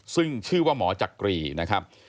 ซึ่งชื่อว่าหมอจักรีนะครับ